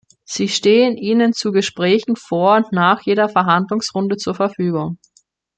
Sie stehen Ihnen zu Gesprächen vor und nach jeder Verhandlungsrunde zur Verfügung.